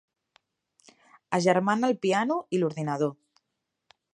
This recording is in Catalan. Agermana el piano i l'ordinador.